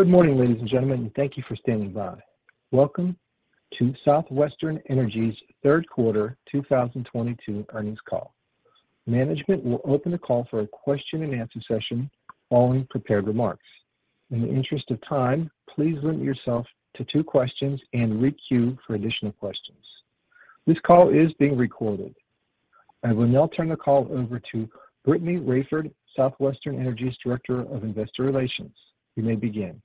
Good morning, ladies and gentlemen, and thank you for standing by. Welcome to Southwestern Energy's third quarter 2022 earnings call. Management will open the call for a question-and-answer session following prepared remarks. In the interest of time, please limit yourself to two questions and re-queue for additional questions. This call is being recorded. I will now turn the call over to Brittany Raiford, Southwestern Energy's Director of Investor Relations. You may begin.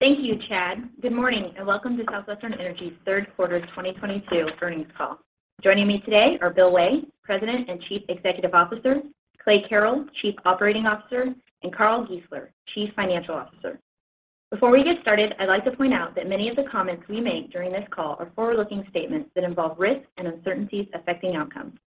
Thank you, Chad. Good morning, and welcome to Southwestern Energy's third quarter 2022 earnings call. Joining me today are Bill Way, President and Chief Executive Officer, Clay Carrell, Chief Operating Officer, and Carl Giesler, Chief Financial Officer. Before we get started, I'd like to point out that many of the comments we make during this call are forward-looking statements that involve risks and uncertainties affecting outcomes.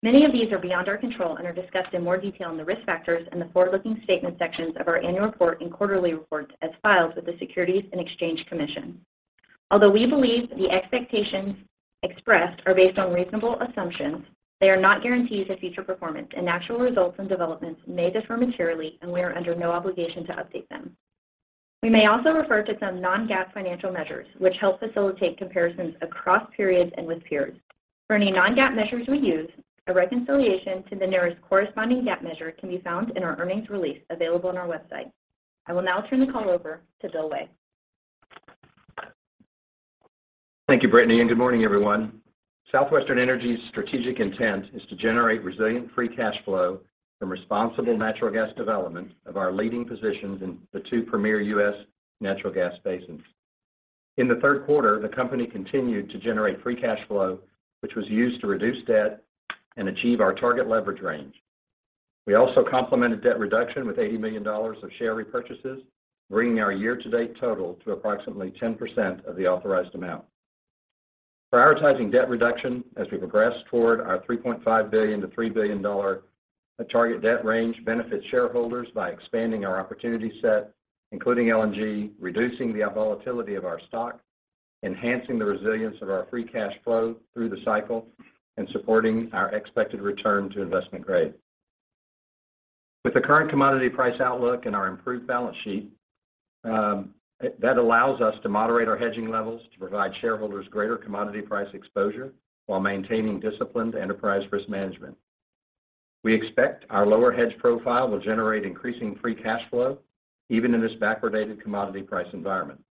Many of these are beyond our control and are discussed in more detail in the Risk Factors and the Forward-Looking Statements sections of our annual report and quarterly reports as filed with the Securities and Exchange Commission. Although we believe the expectations expressed are based on reasonable assumptions, they are not guarantees of future performance, and actual results and developments may differ materially, and we are under no obligation to update them. We may also refer to some non-GAAP financial measures, which help facilitate comparisons across periods and with peers. For any non-GAAP measures we use, a reconciliation to the nearest corresponding GAAP measure can be found in our earnings release available on our website. I will now turn the call over to Bill Way. Thank you, Brittany, and good morning, everyone. Southwestern Energy's strategic intent is to generate resilient free cash flow from responsible natural gas development of our leading positions in the two premier U.S. natural gas basins. In the third quarter, the company continued to generate free cash flow, which was used to reduce debt and achieve our target leverage range. We also complemented debt reduction with $80 million of share repurchases, bringing our year-to-date total to approximately 10% of the authorized amount. Prioritizing debt reduction as we progress toward our $3.5 billion-$3 billion target debt range benefits shareholders by expanding our opportunity set, including LNG, reducing the volatility of our stock, enhancing the resilience of our free cash flow through the cycle, and supporting our expected return to investment grade. With the current commodity price outlook and our improved balance sheet, that allows us to moderate our hedging levels to provide shareholders greater commodity price exposure while maintaining disciplined enterprise risk management. We expect our lower hedge profile will generate increasing free cash flow even in this backwardated commodity price environment.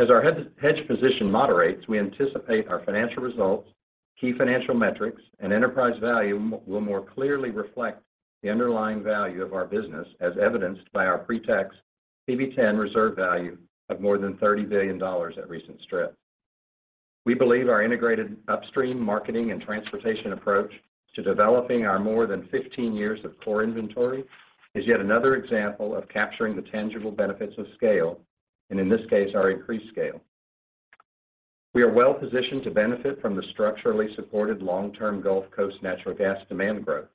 As our hedge position moderates, we anticipate our financial results, key financial metrics, and enterprise value will more clearly reflect the underlying value of our business as evidenced by our pre-tax PV-10 reserve value of more than $30 billion at recent strip. We believe our integrated upstream marketing and transportation approach to developing our more than 15 years of core inventory is yet another example of capturing the tangible benefits of scale, and in this case, our increased scale. We are well positioned to benefit from the structurally supported long-term Gulf Coast natural gas demand growth.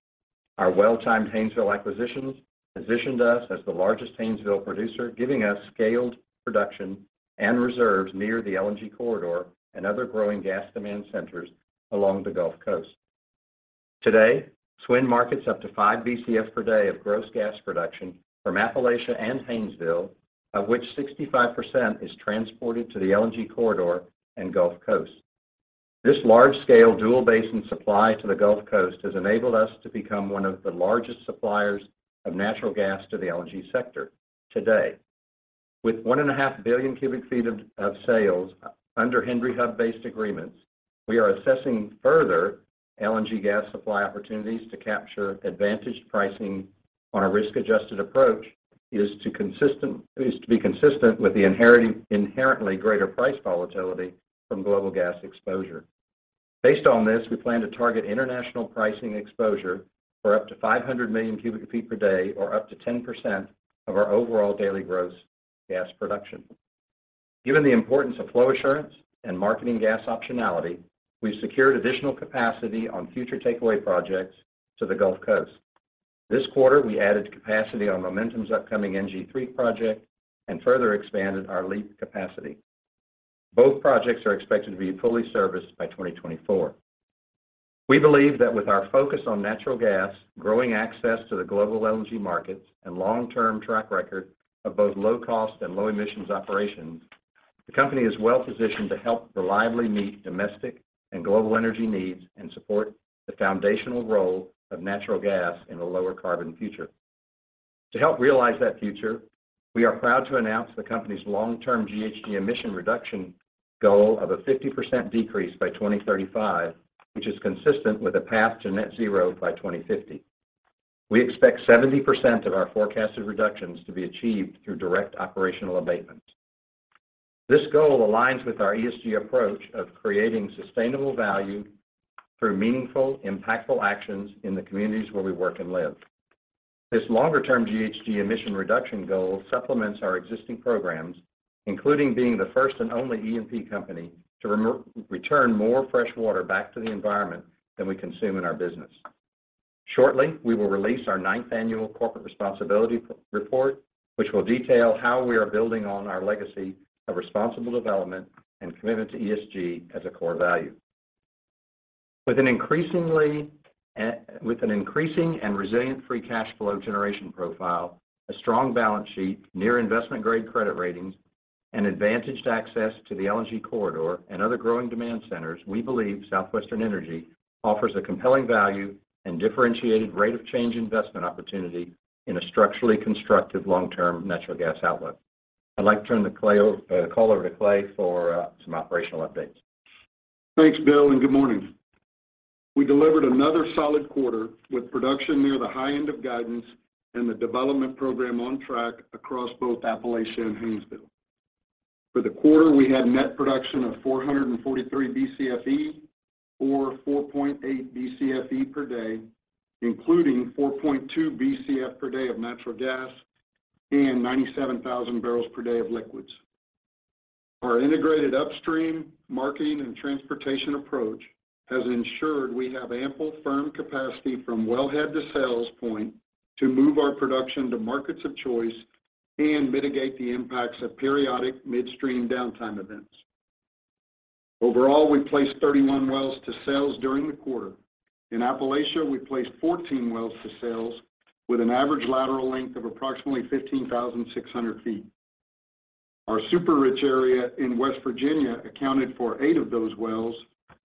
Our well-timed Haynesville acquisitions positioned us as the largest Haynesville producer, giving us scaled production and reserves near the LNG corridor and other growing gas demand centers along the Gulf Coast. Today, SWN markets up to 5 BCF per day of gross gas production from Appalachia and Haynesville, of which 65% is transported to the LNG corridor and Gulf Coast. This large-scale dual basin supply to the Gulf Coast has enabled us to become one of the largest suppliers of natural gas to the LNG sector. To date, with 1.5 billion cubic feet of sales under Henry Hub-based agreements, we are assessing further LNG gas supply opportunities to capture advantaged pricing on a risk-adjusted approach that is to be consistent with the inherently greater price volatility from global gas exposure. Based on this, we plan to target international pricing exposure for up to 500 million cubic feet per day or up to 10% of our overall daily gross gas production. Given the importance of flow assurance and marketing gas optionality, we've secured additional capacity on future takeaway projects to the Gulf Coast. This quarter, we added capacity on Momentum's upcoming NG3 project and further expanded our LEAP capacity. Both projects are expected to be fully serviced by 2024. We believe that with our focus on natural gas, growing access to the global LNG markets, and long-term track record of both low cost and low emissions operations, the company is well positioned to help reliably meet domestic and global energy needs and support the foundational role of natural gas in a lower carbon future. To help realize that future, we are proud to announce the company's long-term GHG emission reduction goal of a 50% decrease by 2035, which is consistent with a path to net zero by 2050. We expect 70% of our forecasted reductions to be achieved through direct operational abatement. This goal aligns with our ESG approach of creating sustainable value through meaningful, impactful actions in the communities where we work and live. This longer-term GHG emission reduction goal supplements our existing programs, including being the first and only E&P company to return more freshwater back to the environment than we consume in our business. Shortly, we will release our ninth annual corporate responsibility report, which will detail how we are building on our legacy of responsible development and commitment to ESG as a core value. With an increasing and resilient free cash flow generation profile, a strong balance sheet, near investment-grade credit ratings, and advantaged access to the LNG corridor and other growing demand centers, we believe Southwestern Energy offers a compelling value and differentiated rate of change investment opportunity in a structurally constructive long-term natural gas outlook. I'd like to turn the call over to Clay for some operational updates. Thanks, Bill, and good morning. We delivered another solid quarter with production near the high end of guidance and the development program on track across both Appalachia and Haynesville. For the quarter, we had net production of 443 BCFE or 4.8 BCFE per day, including 4.2 BCF per day of natural gas and 97,000 barrels per day of liquids. Our integrated upstream marketing and transportation approach has ensured we have ample firm capacity from wellhead to sales point to move our production to markets of choice and mitigate the impacts of periodic midstream downtime events. Overall, we placed 31 wells to sales during the quarter. In Appalachia, we placed 14 wells to sales with an average lateral length of approximately 15,600 feet. Our super-rich area in West Virginia accounted for eight of those wells,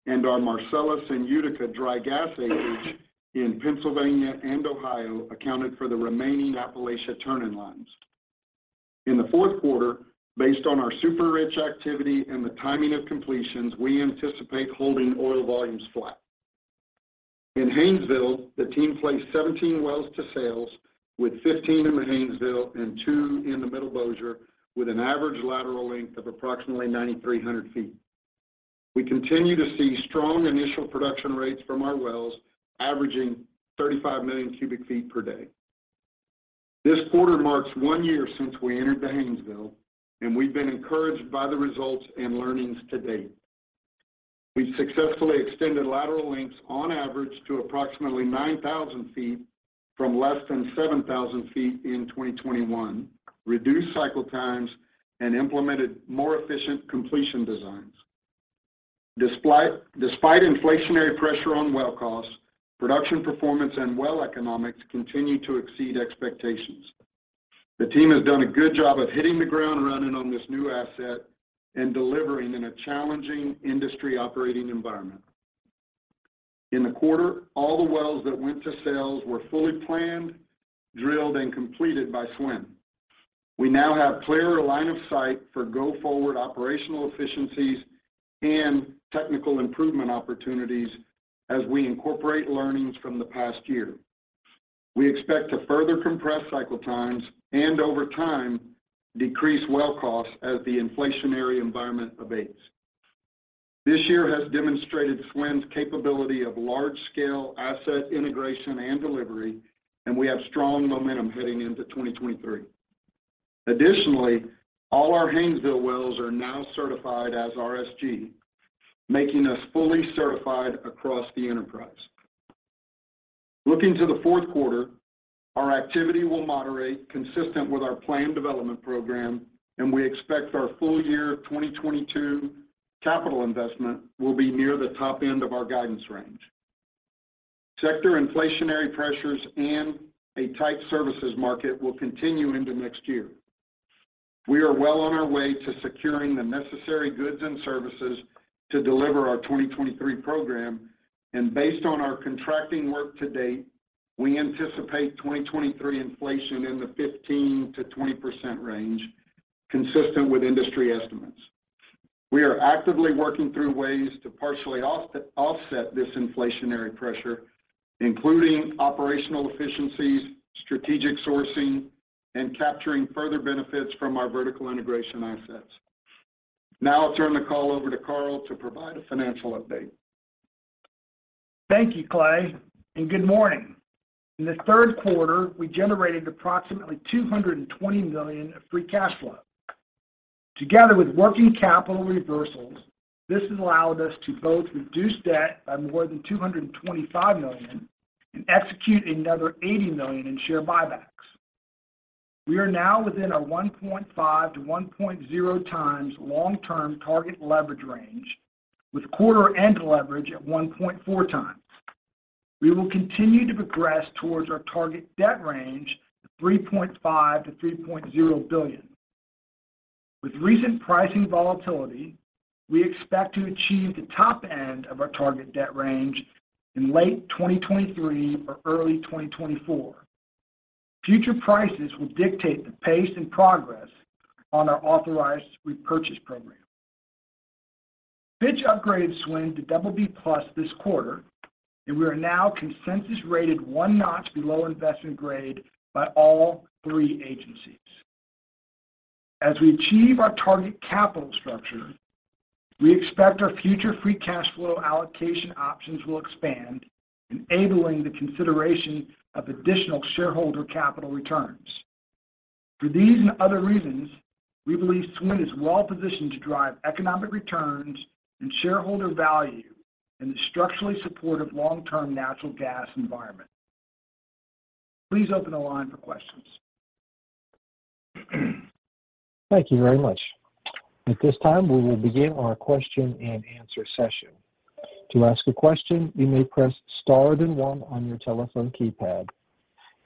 and our Marcellus and Utica dry gas acreage in Pennsylvania and Ohio accounted for the remaining Appalachia turn-in-lines. In the fourth quarter, based on our super-rich activity and the timing of completions, we anticipate holding oil volumes flat. In Haynesville, the team placed 17 wells to sales, with 15 in the Haynesville and two in the Middle Bossier, with an average lateral length of approximately 9,300 feet. We continue to see strong initial production rates from our wells, averaging 35 million cubic feet per day. This quarter marks one year since we entered the Haynesville, and we've been encouraged by the results and learnings to date. We've successfully extended lateral lengths on average to approximately 9,000 feet from less than 7,000 feet in 2021, reduced cycle times, and implemented more efficient completion designs. Despite inflationary pressure on well costs, production performance and well economics continue to exceed expectations. The team has done a good job of hitting the ground running on this new asset and delivering in a challenging industry operating environment. In the quarter, all the wells that went to sales were fully planned, drilled, and completed by SWN. We now have clearer line of sight for go-forward operational efficiencies and technical improvement opportunities as we incorporate learnings from the past year. We expect to further compress cycle times and over time, decrease well costs as the inflationary environment abates. This year has demonstrated SWN's capability of large-scale asset integration and delivery, and we have strong momentum heading into 2023. Additionally, all our Haynesville wells are now certified as RSG, making us fully certified across the enterprise. Looking to the fourth quarter, our activity will moderate consistent with our planned development program, and we expect our full year 2022 capital investment will be near the top end of our guidance range. Sector inflationary pressures and a tight services market will continue into next year. We are well on our way to securing the necessary goods and services to deliver our 2023 program, and based on our contracting work to date, we anticipate 2023 inflation in the 15%-20% range, consistent with industry estimates. We are actively working through ways to partially offset this inflationary pressure, including operational efficiencies, strategic sourcing, and capturing further benefits from our vertical integration assets. Now I'll turn the call over to Carl to provide a financial update. Thank you, Clay, and good morning. In the third quarter, we generated approximately $220 million of free cash flow. Together with working capital reversals, this has allowed us to both reduce debt by more than $225 million and execute another $80 million in share buybacks. We are now within our 1.5-1.0x long-term target leverage range with quarter end leverage at 1.4x. We will continue to progress towards our target debt range of $3.5 billion-$3.0 billion. With recent pricing volatility, we expect to achieve the top end of our target debt range in late 2023 or early 2024. Future prices will dictate the pace and progress on our authorized repurchase program. Fitch upgraded SWN to double B+ this quarter, and we are now consensus rated one notch below investment grade by all three agencies. As we achieve our target capital structure, we expect our future free cash flow allocation options will expand, enabling the consideration of additional shareholder capital returns. For these and other reasons, we believe SWN is well positioned to drive economic returns and shareholder value in the structurally supportive long-term natural gas environment. Please open the line for questions. Thank you very much. At this time, we will begin our question and answer session. To ask a question, you may press star then one on your telephone keypad.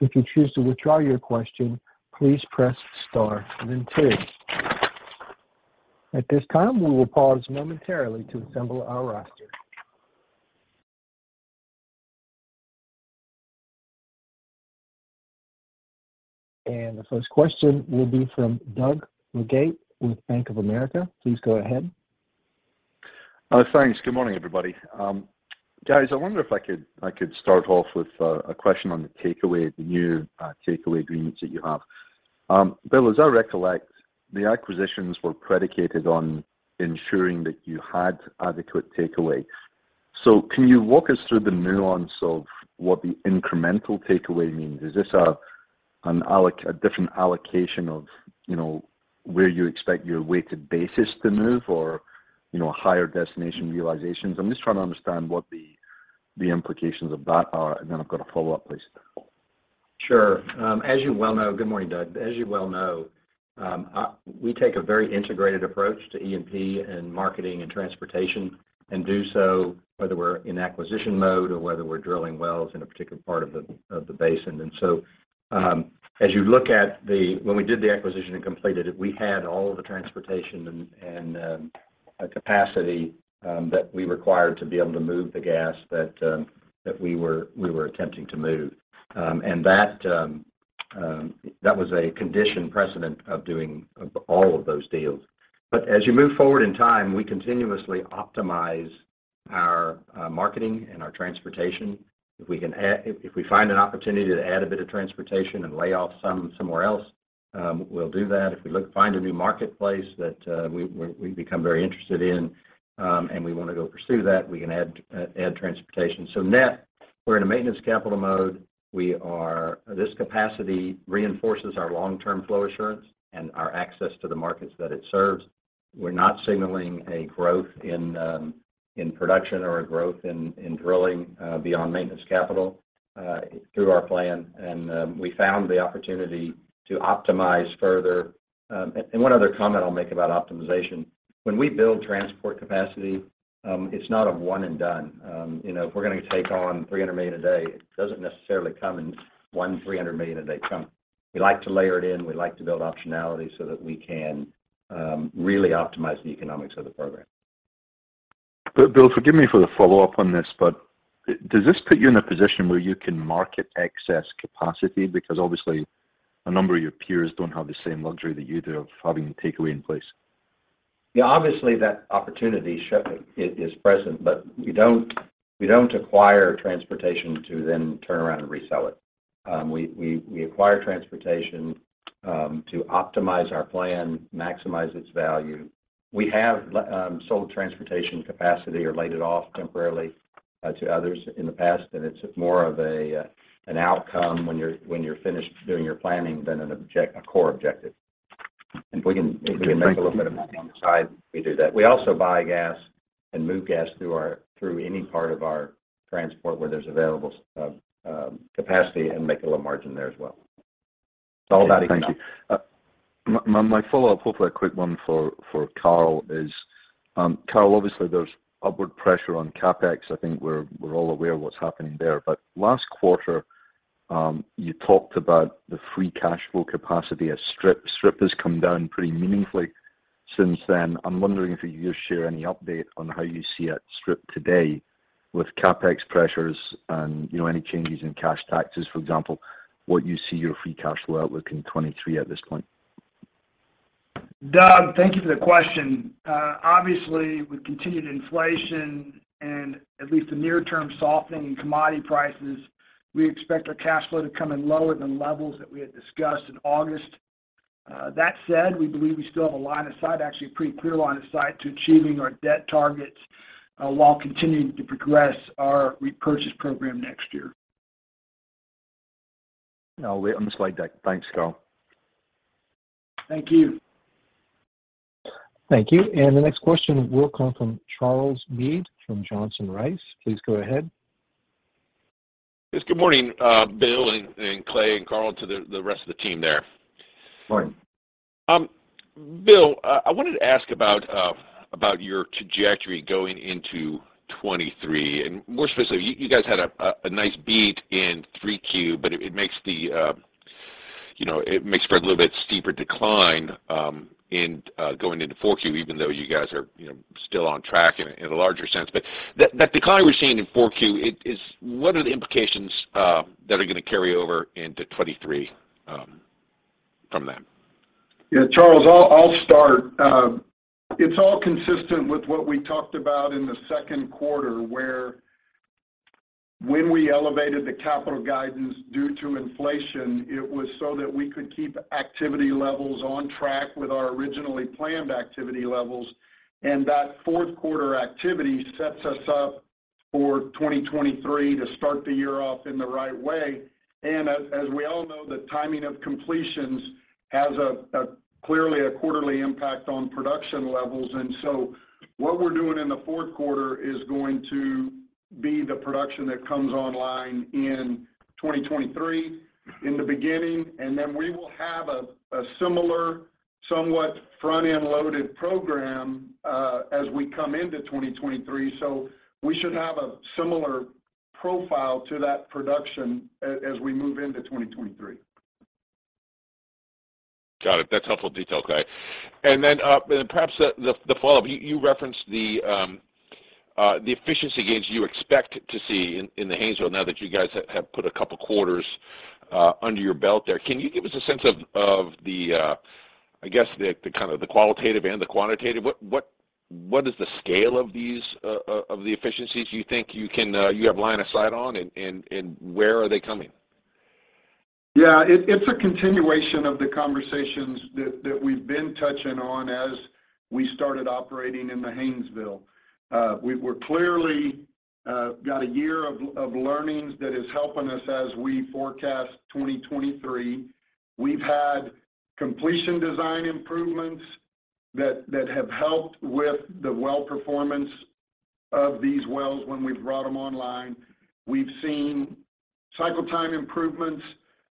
If you choose to withdraw your question, please press star then two. At this time, we will pause momentarily to assemble our roster. The first question will be from Doug Leggate with Bank of America. Please go ahead. Thanks. Good morning, everybody. Guys, I wonder if I could start off with a question on the takeaway, the new takeaway agreements that you have. Bill, as I recollect, the acquisitions were predicated on ensuring that you had adequate takeaway. Can you walk us through the nuance of what the incremental takeaway means? Is this a different allocation of, you know, where you expect your weighted basis to move or, you know, higher destination realizations? I'm just trying to understand what the implications of that are, and then I've got a follow-up later. Sure. As you well know, good morning, Doug. As you well know, we take a very integrated approach to E&P and marketing and transportation, and do so whether we're in acquisition mode or whether we're drilling wells in a particular part of the basin. As you look at when we did the acquisition and completed it, we had all of the transportation and capacity that we required to be able to move the gas that we were attempting to move. That was a condition precedent of doing all of those deals. As you move forward in time, we continuously optimize our marketing and our transportation. If we find an opportunity to add a bit of transportation and lay off some somewhere else, we'll do that. If we find a new marketplace that we become very interested in and we want to go pursue that, we can add transportation. Net, we're in a maintenance capital mode. This capacity reinforces our long-term flow assurance and our access to the markets that it serves. We're not signaling a growth in production or a growth in drilling beyond maintenance capital through our plan. We found the opportunity to optimize further. One other comment I'll make about optimization. When we build transport capacity, it's not a one and done. You know, if we're gonna take on $300 million a day, it doesn't necessarily come in one $300 million a day chunk. We like to layer it in. We like to build optionality so that we can really optimize the economics of the program. Bill, forgive me for the follow-up on this, but does this put you in a position where you can market excess capacity? Because obviously a number of your peers don't have the same luxury that you do of having the takeaway in place. Yeah, obviously that opportunity to ship it is present, but we don't acquire transportation to then turn around and resell it. We acquire transportation to optimize our plan, maximize its value. We have sold transportation capacity or laid it off temporarily to others in the past, and it's more of an outcome when you're finished doing your planning than a core objective. If we can- Thank you. If we can make a little bit of money on the side, we do that. We also buy gas and move gas through any part of our transport where there's available capacity and make a little margin there as well. All that. Thank you. My follow-up, hopefully a quick one for Carl, is Carl, obviously there's upward pressure on CapEx. I think we're all aware of what's happening there. Last quarter, you talked about the free cash flow capacity at Strip. Strip has come down pretty meaningfully since then. I'm wondering if you could just share any update on how you see at Strip today with CapEx pressures and, you know, any changes in cash taxes, for example, what you see your free cash flow outlook in 2023 at this point. Doug, thank you for the question. Obviously, with continued inflation and at least a near-term softening in commodity prices, we expect our cash flow to come in lower than levels that we had discussed in August. That said, we believe we still have a line of sight, actually a pretty clear line of sight to achieving our debt targets, while continuing to progress our repurchase program next year. I'll wait on the slide deck. Thanks, Carl. Thank you. Thank you. The next question will come from Charles Meade from Johnson Rice. Please go ahead. Yes. Good morning, Bill, and Clay and Carl, to the rest of the team there. Morning. Bill, I wanted to ask about your trajectory going into 2023. More specifically, you guys had a nice beat in Q3, but it makes for a little bit steeper decline going into Q4, even though you guys are, you know, still on track in a larger sense. That decline we're seeing in Q4, what are the implications that are gonna carry over into 2023 from that? Yeah. Charles, I'll start. It's all consistent with what we talked about in the second quarter, where when we elevated the capital guidance due to inflation, it was so that we could keep activity levels on track with our originally planned activity levels. That fourth quarter activity sets us up for 2023 to start the year off in the right way. As we all know, the timing of completions has clearly a quarterly impact on production levels. What we're doing in the fourth quarter is going to be the production that comes online in 2023 in the beginning, and then we will have a similar somewhat front-end loaded program, as we come into 2023. We should have a similar profile to that production as we move into 2023. Got it. That's helpful detail, Clay Carrell. Perhaps the follow-up you referenced the efficiency gains you expect to see in the Haynesville now that you guys have put a couple quarters under your belt there. Can you give us a sense of the qualitative and the quantitative? What is the scale of these efficiencies you think you can have line of sight on and where are they coming? It's a continuation of the conversations that we've been touching on as we started operating in the Haynesville. We've clearly got a year of learnings that is helping us as we forecast 2023. We've had completion design improvements that have helped with the well performance of these wells when we've brought them online. We've seen cycle time improvements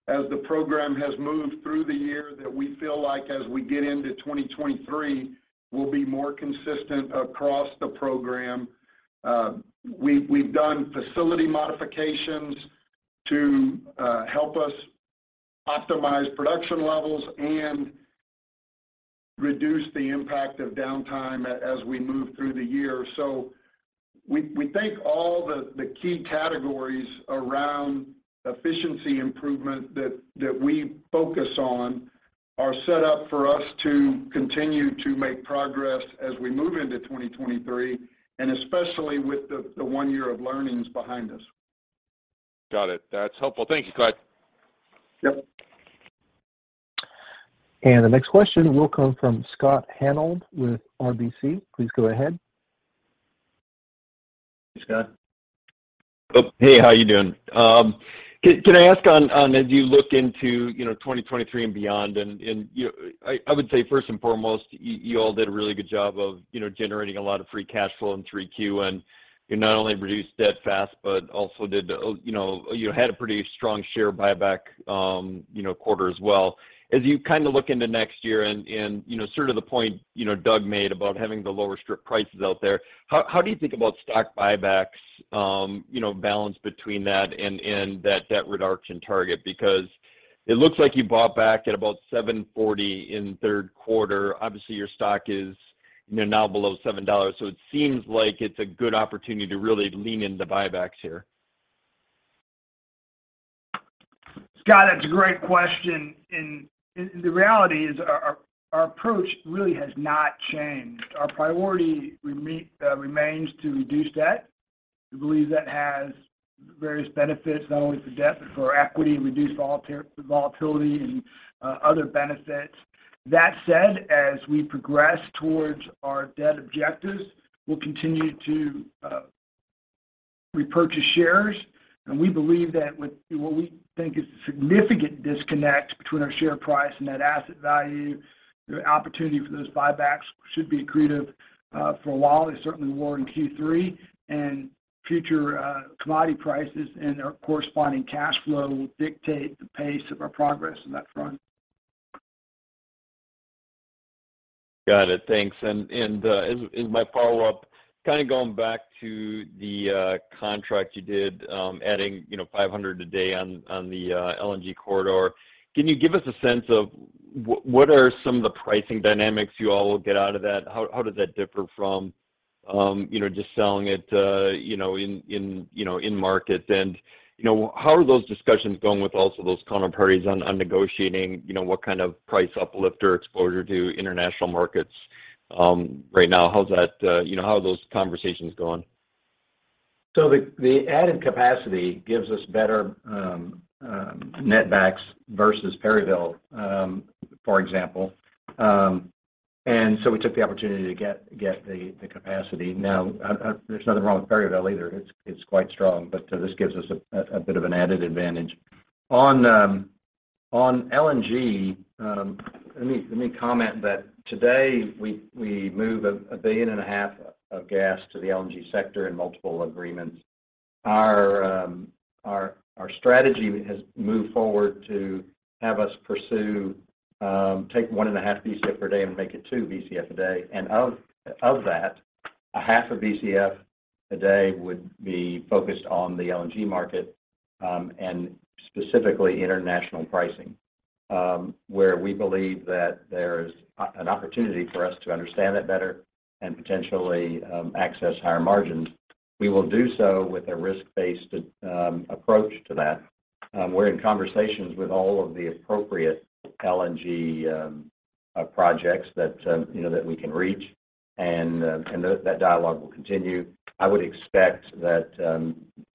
as the program has moved through the year that we feel like as we get into 2023 will be more consistent across the program. We've done facility modifications to help us optimize production levels and reduce the impact of downtime as we move through the year. We think all the key categories around efficiency improvement that we focus on are set up for us to continue to make progress as we move into 2023, and especially with the one year of learnings behind us. Got it. That's helpful. Thank you, Clay. Yep. The next question will come from Scott Hanold with RBC. Please go ahead. Hey, Scott. Oh, hey. How you doing? Can I ask, as you look into 2023 and beyond, I would say first and foremost, you all did a really good job of generating a lot of free cash flow in 3Q, and you not only reduced debt fast, but also, you know, you had a pretty strong share buyback quarter as well. As you kind of look into next year and you know, sort of the point Doug made about having the lower strip prices out there, how do you think about stock buybacks, you know, balance between that and that debt reduction target? Because it looks like you bought back at about $7.40 in third quarter. Obviously, your stock is, you know, now below $7, so it seems like it's a good opportunity to really lean into buybacks here. Scott, that's a great question. The reality is our approach really has not changed. Our priority remains to reduce debt. We believe that has various benefits not only for debt, but for equity, reduced volatility and other benefits. That said, as we progress towards our debt objectives, we'll continue to repurchase shares, and we believe that with what we think is a significant disconnect between our share price and net asset value, the opportunity for those buybacks should be accretive for a while. They certainly were in Q3. Future commodity prices and our corresponding cash flow will dictate the pace of our progress on that front. Got it. Thanks. As my follow-up, kind of going back to the contract you did, adding, you know, 500 a day on the LNG corridor. Can you give us a sense of what are some of the pricing dynamics you all will get out of that? How does that differ from, you know, just selling it, you know, in markets? You know, how are those discussions going with also those counterparties on negotiating, you know, what kind of price uplift or exposure to international markets, right now? How's that, you know, how are those conversations going? The added capacity gives us better net backs versus Perryville, for example. We took the opportunity to get the capacity. Now, there's nothing wrong with Perryville either. It's quite strong, but this gives us a bit of an added advantage. On LNG, let me comment that today we move 1.5 billion of gas to the LNG sector in multiple agreements. Our strategy has moved forward to have us pursue take 1.5 BCF per day and make it 2 BCF a day. Of that, 0.5 BCF a day would be focused on the LNG market and specifically international pricing, where we believe that there is an opportunity for us to understand that better and potentially access higher margins. We will do so with a risk-based approach to that. We're in conversations with all of the appropriate LNG projects that you know that we can reach and that dialogue will continue. I would expect that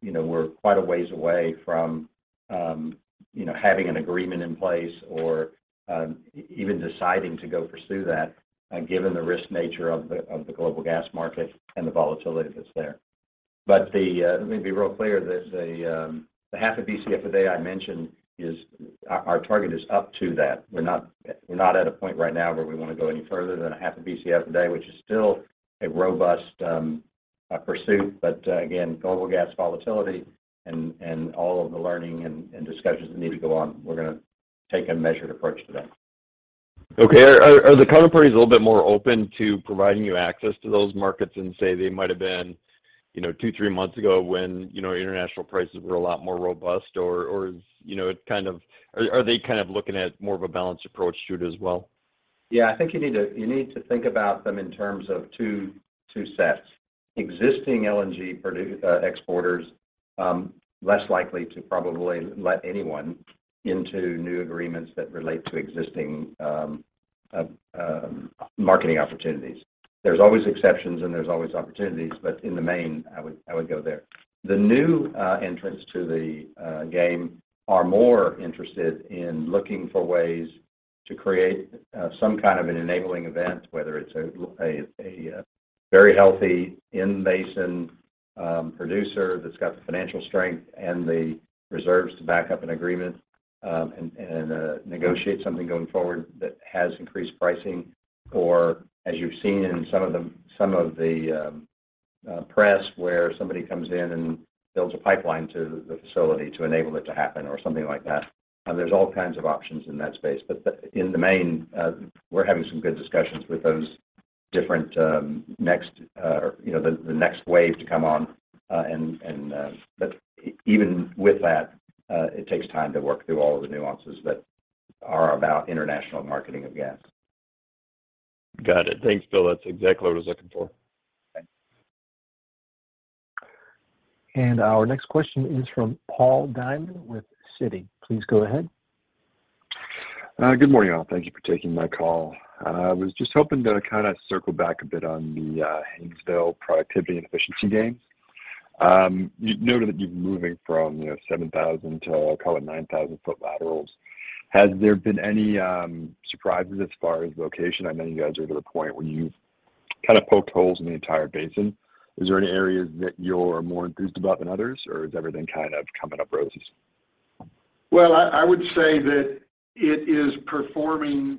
you know we're quite a ways away from you know having an agreement in place or even deciding to go pursue that given the risk nature of the global gas market and the volatility that's there. The, let me be real clear. The 0.5 BCF a day I mentioned is our target is up to that. We're not at a point right now where we want to go any further than 0.5 BCF a day, which is still a robust pursuit. Again, global gas volatility and all of the learning and discussions that need to go on, we're gonna take a measured approach to that. Okay. Are the counterparties a little bit more open to providing you access to those markets than, say, they might've been, you know, two, three months ago when, you know, international prices were a lot more robust? Or are they kind of looking at more of a balanced approach to it as well? Yeah. I think you need to think about them in terms of two sets. Existing LNG exporters less likely to probably let anyone into new agreements that relate to existing marketing opportunities. There's always exceptions and there's always opportunities, but in the main, I would go there. The new entrants to the game are more interested in looking for ways to create some kind of an enabling event, whether it's a very healthy in-basin producer that's got the financial strength and the reserves to back up an agreement, and negotiate something going forward that has increased pricing. As you've seen in some of the press where somebody comes in and builds a pipeline to the facility to enable it to happen or something like that. There's all kinds of options in that space. In the main, we're having some good discussions with those different next, you know, the next wave to come on. Even with that, it takes time to work through all of the nuances that are about international marketing of gas. Got it. Thanks, Bill. That's exactly what I was looking for. Thanks. Our next question is from Paul Diamond with Citi. Please go ahead. Good morning, all. Thank you for taking my call. I was just hoping to kind of circle back a bit on the Haynesville productivity and efficiency gains. You noted that you're moving from 7,000 to, I'll call it 9,000-foot laterals. Has there been any surprises as far as location? I know you guys are to the point where you've kind of poked holes in the entire basin. Is there any areas that you're more enthused about than others, or is everything kind of coming up roses? Well, I would say that it is performing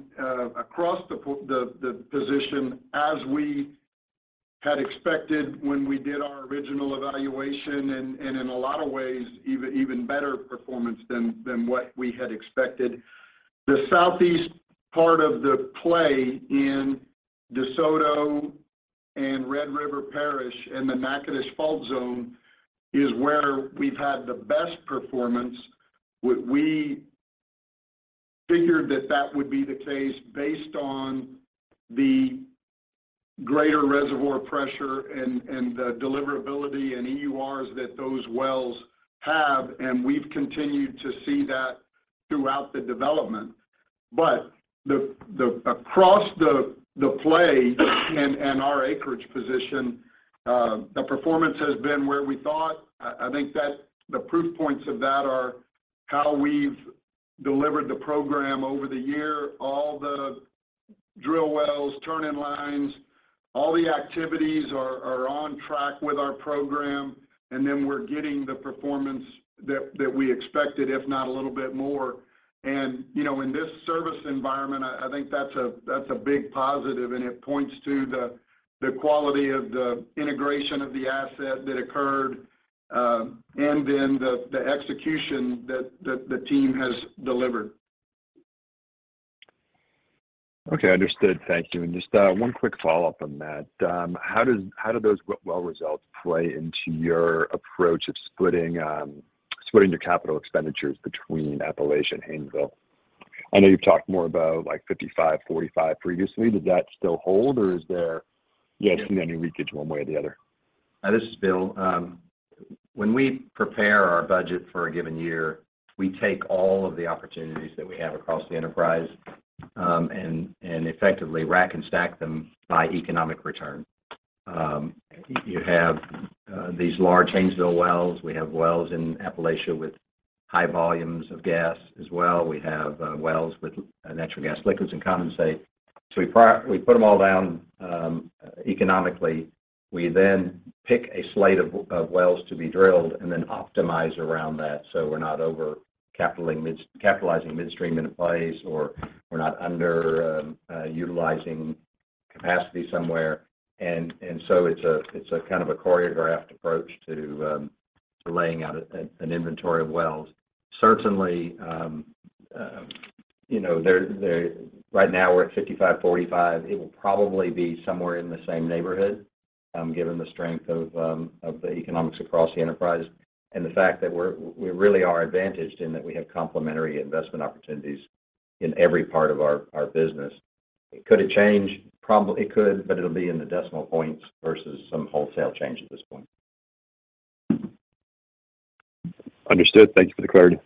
across the position as we had expected when we did our original evaluation, and in a lot of ways, even better performance than what we had expected. The southeast part of the play in DeSoto and Red River Parish and the Natchitoches Fault Zone is where we've had the best performance. We figured that would be the case based on the greater reservoir pressure and the deliverability and EURs that those wells have, and we've continued to see that throughout the development. Across the play and our acreage position, the performance has been where we thought. I think that the proof points of that are how we've delivered the program over the year. All the drill wells, turn-in-lines, all the activities are on track with our program, and then we're getting the performance that we expected, if not a little bit more. You know, in this service environment, I think that's a big positive, and it points to the quality of the integration of the asset that occurred, and then the execution that the team has delivered. Okay. Understood. Thank you. Just one quick follow-up on that. How do those well results play into your approach of splitting your capital expenditures between Appalachia and Haynesville? I know you've talked more about, like, 55, 45 previously. Does that still hold, or is there yet any leakage one way or the other? This is Bill. When we prepare our budget for a given year, we take all of the opportunities that we have across the enterprise, and effectively rack and stack them by economic return. You have these large Haynesville wells. We have wells in Appalachia with high volumes of gas as well. We have wells with natural gas liquids and condensate. We put them all down economically. We then pick a slate of wells to be drilled and then optimize around that, so we're not overcapitalizing midstream in a place, or we're not underutilizing capacity somewhere. It's a kind of a choreographed approach to laying out an inventory of wells. Certainly, you know. Right now we're at 55-45. It will probably be somewhere in the same neighborhood, given the strength of the economics across the enterprise and the fact that we really are advantaged in that we have complementary investment opportunities in every part of our business. Could it change? It could, but it'll be in the decimal points versus some wholesale change at this point. Understood. Thank you for the clarity.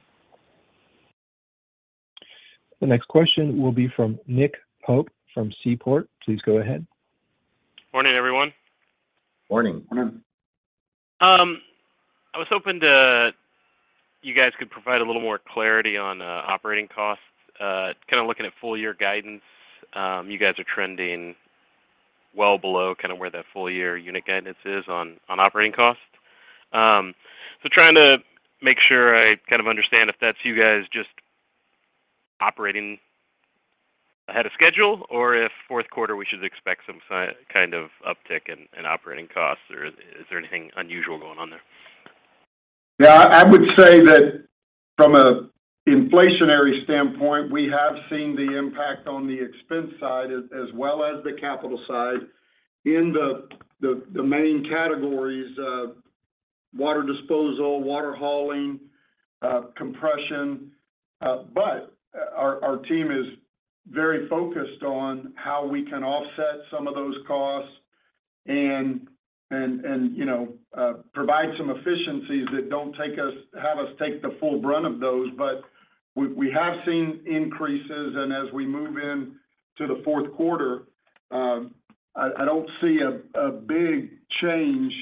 The next question will be from Nicholas Pope from Seaport Research Partners. Please go ahead. Morning, everyone. Morning. Morning. I was hoping you guys could provide a little more clarity on operating costs. Kind of looking at full-year guidance, you guys are trending well below kind of where that full-year unit guidance is on operating costs. Trying to make sure I kind of understand if that's you guys just operating ahead of schedule or if fourth quarter we should expect some kind of uptick in operating costs? Or is there anything unusual going on there? Yeah. I would say that from a inflationary standpoint, we have seen the impact on the expense side as well as the capital side in the main categories of water disposal, water hauling, compression. But our team is very focused on how we can offset some of those costs and, you know, provide some efficiencies that don't have us take the full brunt of those. We have seen increases, and as we move into the fourth quarter, I don't see a big change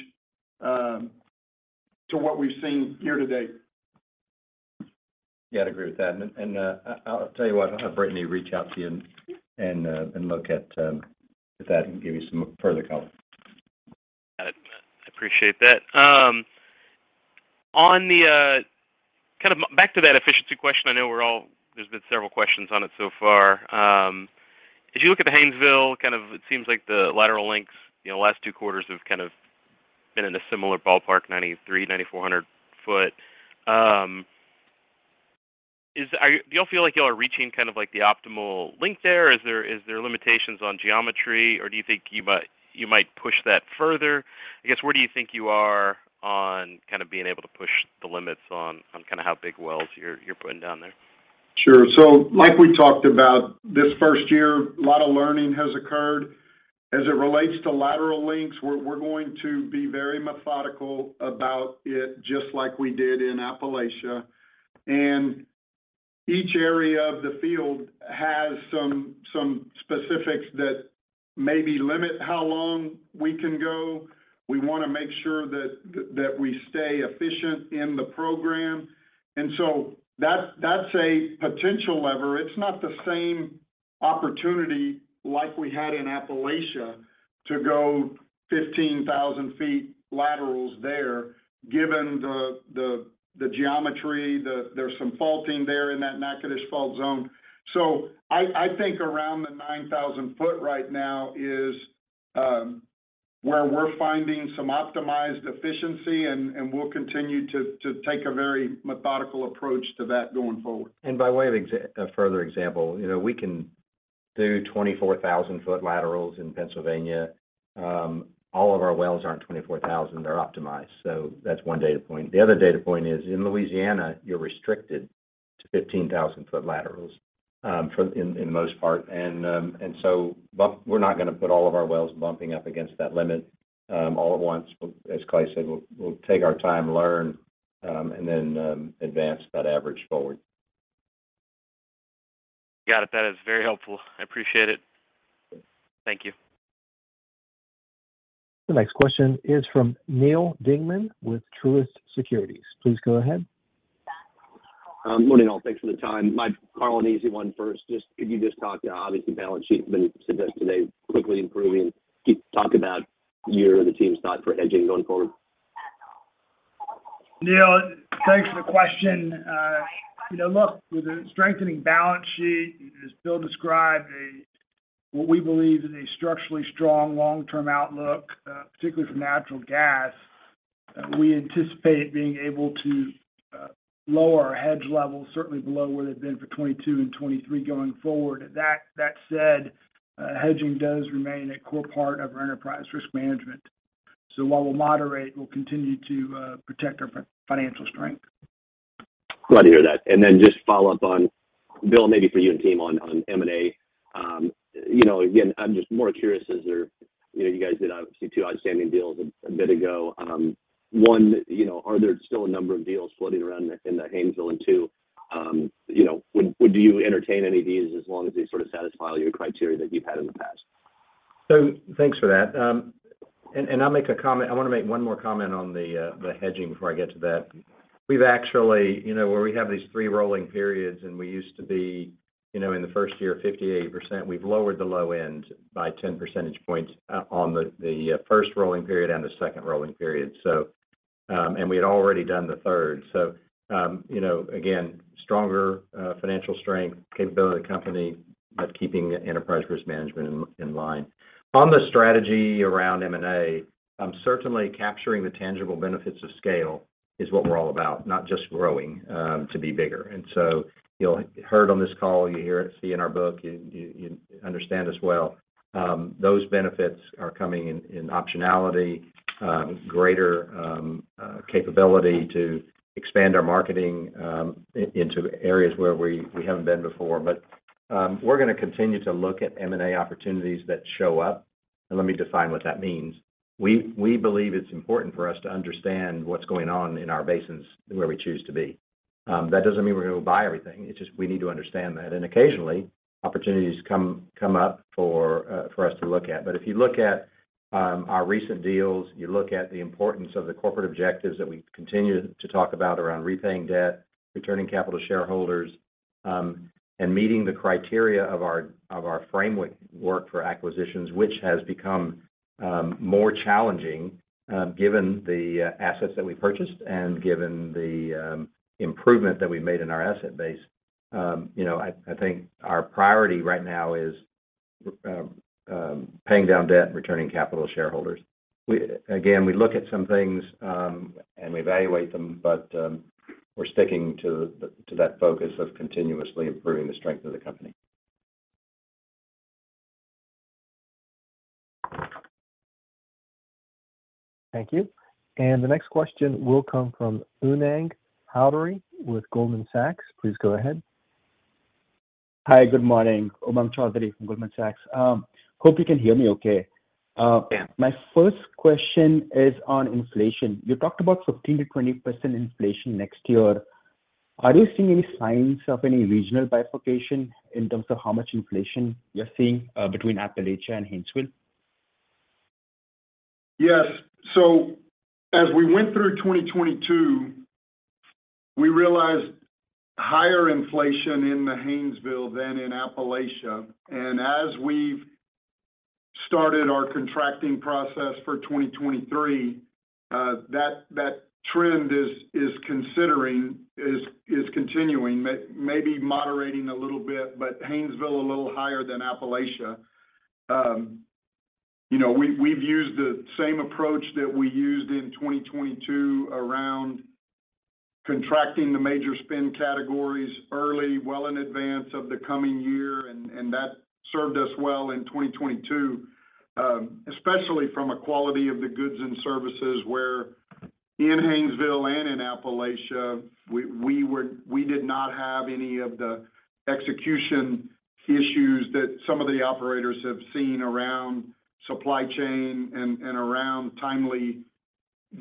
to what we've seen year to date. Yeah, I'd agree with that. I'll tell you what, I'll have Brittany reach out to you and look at if that can give you some further color. Got it. I appreciate that. On the kind of back to that efficiency question, I know there's been several questions on it so far. As you look at the Haynesville, kind of it seems like the lateral lengths, you know, last two quarters have kind of been in a similar ballpark, 9,300-9,400 foot. Do y'all feel like y'all are reaching kind of like the optimal length there? Is there limitations on geometry, or do you think you might push that further? I guess, where do you think you are on kind of being able to push the limits on kind of how big wells you're putting down there? Sure. Like we talked about this first year, a lot of learning has occurred. As it relates to lateral lengths, we're going to be very methodical about it just like we did in Appalachia. Each area of the field has some specifics that maybe limit how long we can go. We want to make sure that we stay efficient in the program. That's a potential lever. It's not the same opportunity like we had in Appalachia to go 15,000-foot laterals there given the geometry. There's some faulting there in that Natchitoches Fault Zone. I think around the 9,000-foot right now is where we're finding some optimized efficiency, and we'll continue to take a very methodical approach to that going forward. By way of a further example, you know, we can do 24,000-foot laterals in Pennsylvania. All of our wells aren't 24,000, they're optimized. So that's one data point. The other data point is in Louisiana, you're restricted to 15,000-foot laterals, in the most part. We're not gonna put all of our wells bumping up against that limit, all at once. As Clay said, we'll take our time, learn, and then advance that average forward. Got it. That is very helpful. I appreciate it. Thank you. The next question is from Neal Dingmann with Truist Securities. Please go ahead. Good morning, all. Thanks for the time. Carl, an easy one first. Just if you talk, obviously balance sheet been strengthened today, quickly improving. Can you talk about your or the team's thought for hedging going forward? Neal, thanks for the question. You know, look, with a strengthening balance sheet, as Bill described, what we believe is a structurally strong long-term outlook, particularly for natural gas, we anticipate being able to lower our hedge levels certainly below where they've been for 2022 and 2023 going forward. That said, hedging does remain a core part of our enterprise risk management. While we'll moderate, we'll continue to protect our financial strength. Glad to hear that. Just follow up on, Bill, maybe for you and team on M&A. You know, again, I'm just more curious. You know, you guys did obviously two outstanding deals a bit ago. One, you know, are there still a number of deals floating around in the Haynesville? And two, you know, would you entertain any of these as long as they sort of satisfy your criteria that you've had in the past? Thanks for that. I'll make a comment. I wanna make one more comment on the hedging before I get to that. We've actually you know where we have these three rolling periods, and we used to be, you know, in the first year 58%. We've lowered the low end by 10 percentage points on the first rolling period and the second rolling period. You know, again, stronger financial strength, capability of the company, but keeping enterprise risk management in line. On the strategy around M&A, certainly capturing the tangible benefits of scale is what we're all about, not just growing to be bigger. You'll have heard on this call, you hear it, see in our book, you understand as well, those benefits are coming in optionality, greater capability to expand our marketing into areas where we haven't been before. We're gonna continue to look at M&A opportunities that show up, and let me define what that means. We believe it's important for us to understand what's going on in our basins where we choose to be. That doesn't mean we're gonna go buy everything. It's just we need to understand that. Occasionally, opportunities come up for us to look at. If you look at our recent deals, you look at the importance of the corporate objectives that we continue to talk about around repaying debt, returning capital to shareholders, and meeting the criteria of our framework for acquisitions, which has become more challenging, given the assets that we purchased and given the improvement that we made in our asset base. You know, I think our priority right now is paying down debt and returning capital to shareholders. Again, we look at some things, and we evaluate them, but we're sticking to that focus of continuously improving the strength of the company. Thank you. The next question will come from Umang Choudhary with Goldman Sachs. Please go ahead. Hi. Good morning. Umang Choudhary from Goldman Sachs. Hope you can hear me okay. Yeah. My first question is on inflation. You talked about 15%-20% inflation next year. Are you seeing any signs of any regional bifurcation in terms of how much inflation you're seeing between Appalachia and Haynesville? Yes. As we went through 2022, we realized higher inflation in the Haynesville than in Appalachia. As we've started our contracting process for 2023, that trend is continuing, maybe moderating a little bit, but Haynesville a little higher than Appalachia. You know, we've used the same approach that we used in 2022 around contracting the major spend categories early, well in advance of the coming year, and that served us well in 2022, especially from a quality of the goods and services where in Haynesville and in Appalachia, we did not have any of the execution issues that some of the operators have seen around supply chain and around timely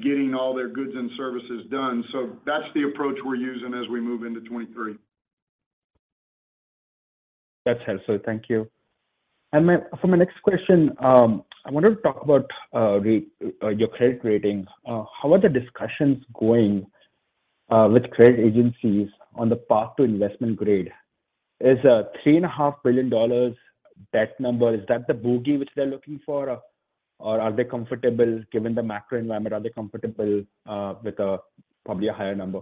getting all their goods and services done. That's the approach we're using as we move into 2023. That's helpful. Thank you. For my next question, I wanted to talk about your credit rating. How are the discussions going with credit agencies on the path to investment grade? Is $3.5 billion debt number the bogey which they're looking for? Or are they comfortable, given the macro environment, with probably a higher number?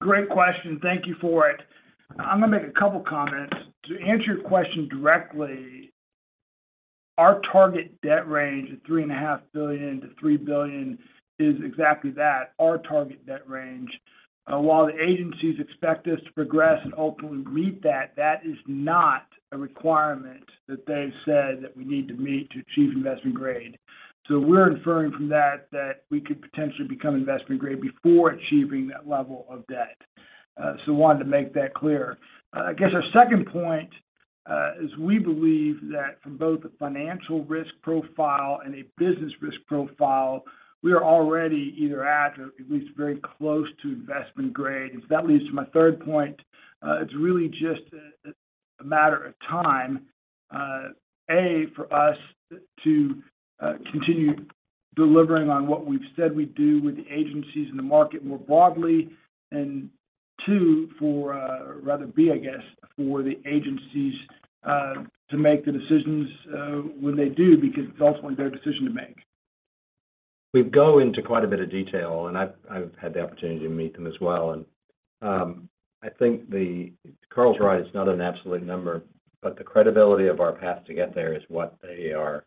Great question. Thank you for it. I'm gonna make a couple comments. To answer your question directly, our target debt range of $3.5 billion-$3 billion is exactly that, our target debt range. While the agencies expect us to progress and ultimately meet that is not a requirement that they've said that we need to meet to achieve investment grade. We're inferring from that we could potentially become investment grade before achieving that level of debt. I wanted to make that clear. I guess our second point is we believe that from both a financial risk profile and a business risk profile, we are already either at or at least very close to investment grade. That leads to my third point. It's really just a matter of time, A, for us to continue delivering on what we've said we'd do with the agencies and the market more broadly. B, I guess, for the agencies to make the decisions when they do, because it's ultimately their decision to make. We go into quite a bit of detail, and I've had the opportunity to meet them as well. I think Carl's right, it's not an absolute number, but the credibility of our path to get there is what they are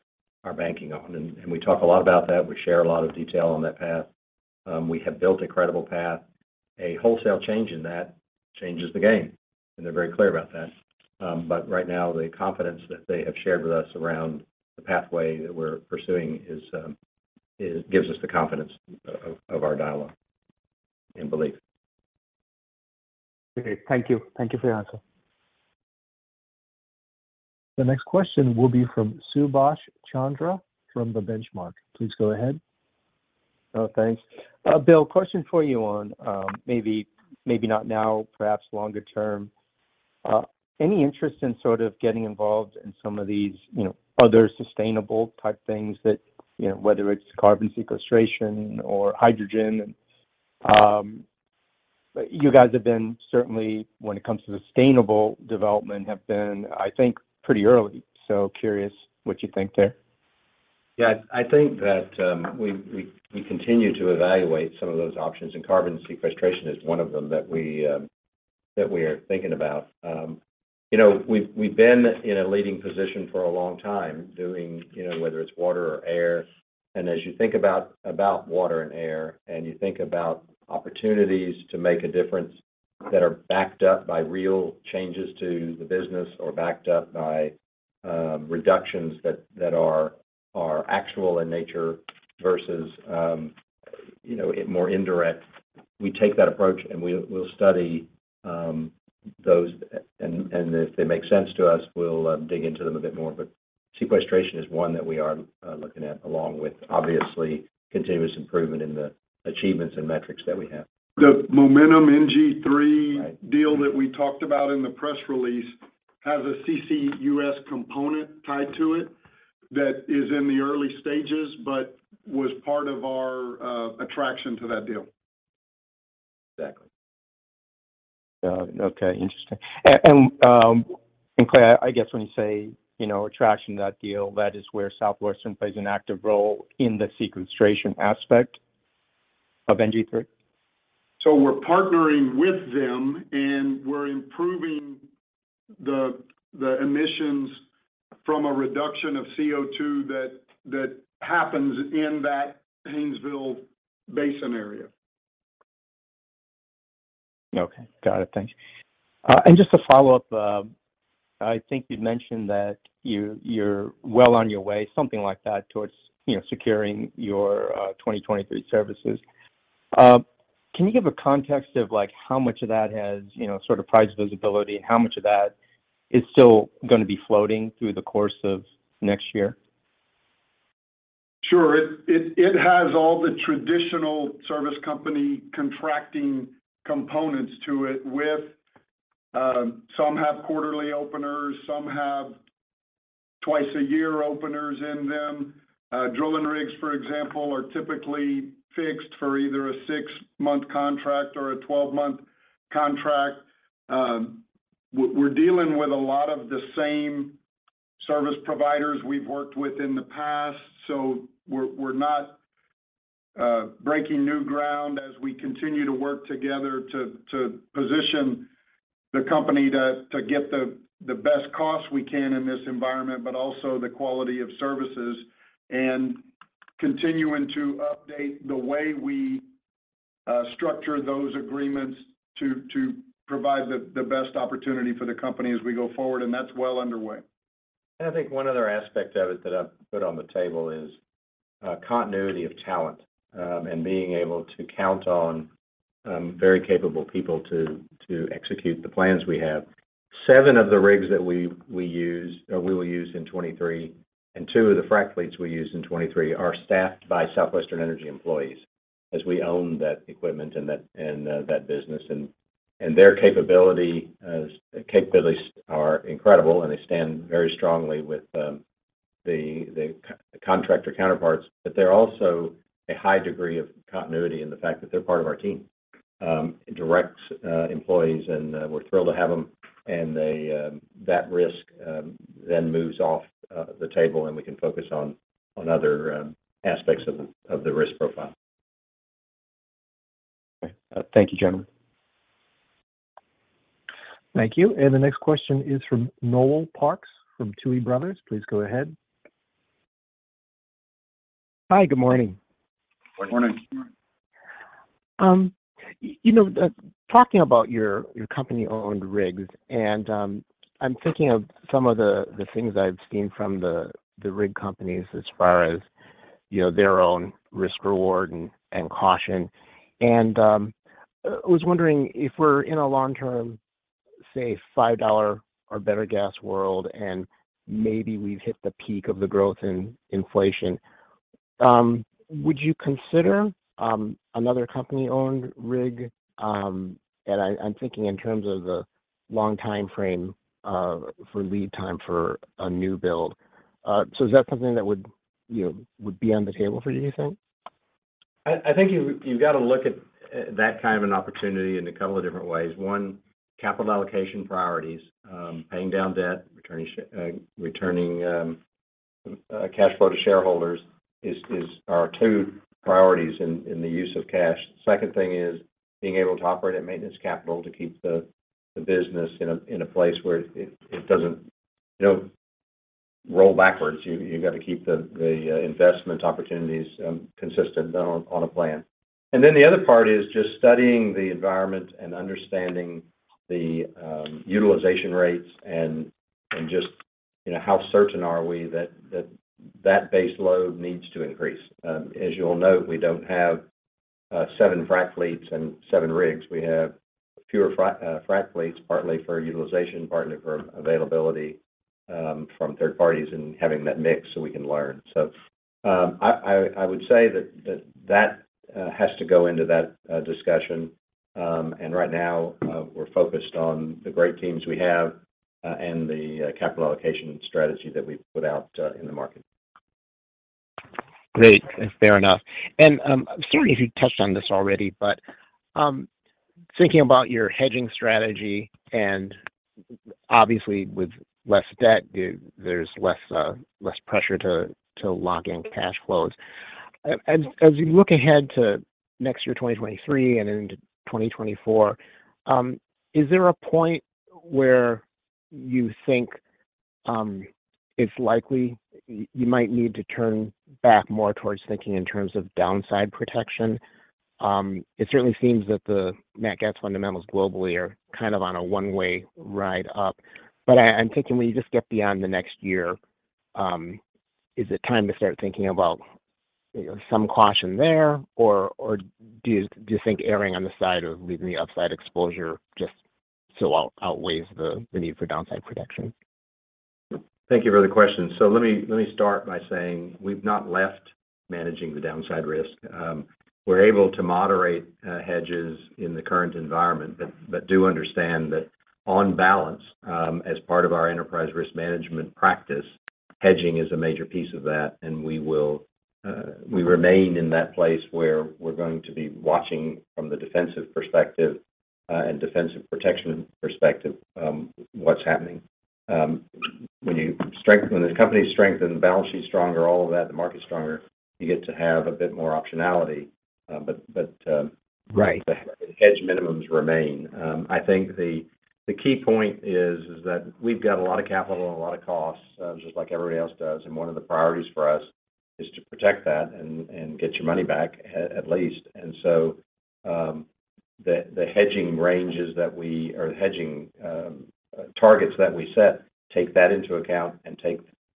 banking on. We talk a lot about that. We share a lot of detail on that path. We have built a credible path. A wholesale change in that changes the game, and they're very clear about that. Right now, the confidence that they have shared with us around the pathway that we're pursuing is gives us the confidence of our dialogue and belief. Okay. Thank you. Thank you for your answer. The next question will be from Subash Chandra from The Benchmark. Please go ahead. Oh, thanks. Bill, question for you on maybe not now, perhaps longer term. Any interest in sort of getting involved in some of these, you know, other sustainable type things that, you know, whether it's carbon sequestration or hydrogen. You guys have certainly been, when it comes to sustainable development, I think, pretty early. Curious what you think there. Yeah. I think that we continue to evaluate some of those options, and carbon sequestration is one of them that we are thinking about. You know, we've been in a leading position for a long time doing, you know, whether it's water or air. As you think about water and air, and you think about opportunities to make a difference that are backed up by real changes to the business or backed up by reductions that are actual in nature versus, you know, more indirect. We take that approach, and we'll study those. If they make sense to us, we'll dig into them a bit more. Sequestration is one that we are looking at, along with, obviously, continuous improvement in the achievements and metrics that we have. The Momentum NG3- Right Deal that we talked about in the press release has a CCUS component tied to it that is in the early stages, but was part of our attraction to that deal. Exactly. Okay. Interesting. Clay, I guess when you say, you know, attracting that deal, that is where Southwestern plays an active role in the sequestration aspect of NG3? We're partnering with them, and we're improving the emissions from a reduction of CO2 that happens in that Haynesville Basin area. Okay. Got it. Thanks. Just to follow up, I think you'd mentioned that you're well on your way, something like that towards, you know, securing your 2023 services. Can you give a context of like how much of that has, you know, sort of price visibility? How much of that is still gonna be floating through the course of next year? Sure. It has all the traditional service company contracting components to it with some have quarterly openers, some have twice-a-year openers in them. Drilling rigs, for example, are typically fixed for either a six-month contract or a 12-month contract. We're dealing with a lot of the same service providers we've worked with in the past, so we're not breaking new ground as we continue to work together to position the company to get the best cost we can in this environment, but also the quality of services and continuing to update the way we structure those agreements to provide the best opportunity for the company as we go forward, and that's well underway. I think one other aspect of it that I've put on the table is continuity of talent, and being able to count on very capable people to execute the plans we have. Seven of the rigs that we use or we will use in 2023, and two of the frac fleets we use in 2023 are staffed by Southwestern Energy employees as we own that equipment and that business. Their capabilities are incredible, and they stand very strongly with the contractor counterparts. They're also a high degree of continuity in the fact that they're part of our team, direct employees, and we're thrilled to have them. that risk then moves off the table, and we can focus on other aspects of the risk profile. Okay. Thank you, gentlemen. Thank you. The next question is from Noel Parks from Tuohy Brothers. Please go ahead. Hi. Good morning. Good morning. Good morning. You know, talking about your company-owned rigs, and I'm thinking of some of the things I've seen from the rig companies as far as, you know, their own risk/reward and caution. I was wondering if we're in a long-term, say, $5 or better gas world, and maybe we've hit the peak of the growth in inflation, would you consider another company-owned rig? And I'm thinking in terms of the long timeframe for lead time for a new build. Is that something that would, you know, be on the table for you think? I think you've got to look at that kind of an opportunity in a couple of different ways. One, capital allocation priorities. Paying down debt, returning cash flow to shareholders are two priorities in the use of cash. Second thing is being able to operate at maintenance capital to keep the business in a place where it doesn't, you know, roll backwards. You got to keep the investment opportunities consistent on a plan. Then the other part is just studying the environment and understanding the utilization rates and just, you know, how certain are we that that base load needs to increase. As you'll note, we don't have seven frac fleets and seven rigs. We have fewer frac fleets, partly for utilization, partly for availability, from third parties and having that mix so we can learn. I would say that has to go into that discussion. Right now, we're focused on the great teams we have and the capital allocation strategy that we've put out in the market. Great. Fair enough. Sorry if you touched on this already, but thinking about your hedging strategy, and obviously with less debt, there's less pressure to lock in cash flows. As you look ahead to next year, 2023, and into 2024, is there a point where you think it's likely you might need to turn back more towards thinking in terms of downside protection? It certainly seems that the nat gas fundamentals globally are kind of on a one-way ride up. I'm thinking when you just get beyond the next year, is it time to start thinking about, you know, some caution there? Do you think erring on the side of leaving the upside exposure just still outweighs the need for downside protection? Thank you for the question. Let me start by saying we've not left managing the downside risk. We're able to moderate hedges in the current environment. Do understand that on balance, as part of our enterprise risk management practice, hedging is a major piece of that, and we remain in that place where we're going to be watching from the defensive perspective and defensive protection perspective, what's happening. When this company's strength and the balance sheet's stronger, all of that, the market's stronger, you get to have a bit more optionality. Right. The hedge minimums remain. I think the key point is that we've got a lot of capital and a lot of costs, just like everybody else does, and one of the priorities for us is to protect that and get your money back at least. The hedging targets that we set take that into account and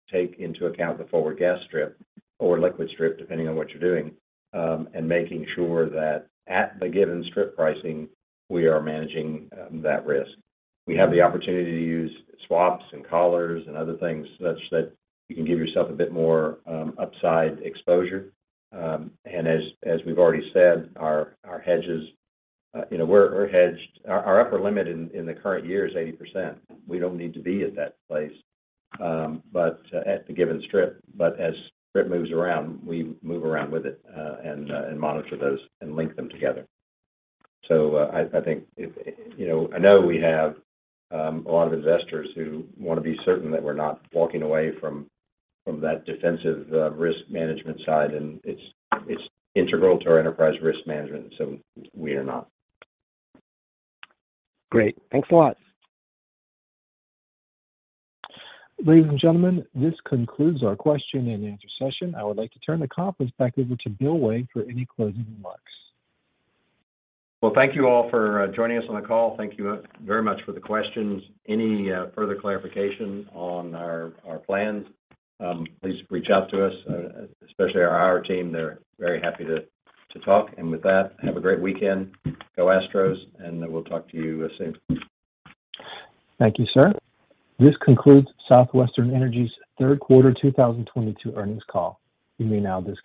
take into account the forward gas strip or liquid strip, depending on what you're doing, and making sure that at the given strip pricing, we are managing that risk. We have the opportunity to use swaps and collars and other things such that you can give yourself a bit more upside exposure. As we've already said, our hedges, you know, we're hedged. Our upper limit in the current year is 80%. We don't need to be at that place, but at the given strip. As strip moves around, we move around with it, and monitor those and link them together. I think, you know, I know we have a lot of investors who wanna be certain that we're not walking away from that defensive risk management side, and it's integral to our enterprise risk management, so we are not. Great. Thanks a lot. Ladies and gentlemen, this concludes our question and answer session. I would like to turn the conference back over to Bill Way for any closing remarks. Well, thank you all for joining us on the call. Thank you very much for the questions. Any further clarification on our plans, please reach out to us, especially our IR team. They're very happy to talk. With that, have a great weekend. Go Astros, and we'll talk to you soon. Thank you, sir. This concludes Southwestern Energy's third quarter 2022 earnings call. You may now disconnect.